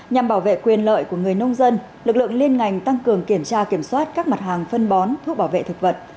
nhằm bảo vệ quyền lợi của người nông dân lực lượng liên ngành tăng cường kiểm tra kiểm soát các mặt hàng phân bón thuốc bảo vệ thực vật